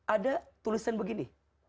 ada tulisan begini